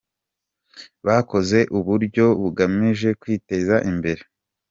Bakoze ubu buryo bagamije kwiteza imbere.